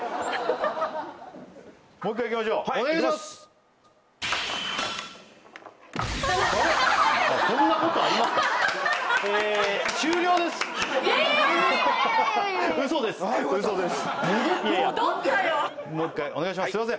もう一回お願いします